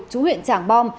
chú huyện trảng bom